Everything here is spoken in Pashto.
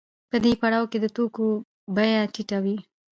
په دې پړاو کې د توکو بیه ټیټه وي